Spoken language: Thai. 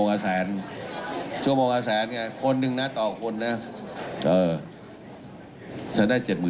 นี่แหละค่ะศิลปินดาราทุกคนเขาก็บอกว่า